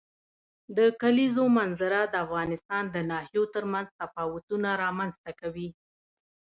د کلیزو منظره د افغانستان د ناحیو ترمنځ تفاوتونه رامنځ ته کوي.